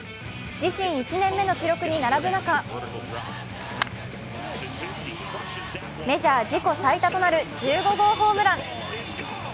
自身１年目の記録に並ぶ中メジャー自己最多となる１５号ホームラン。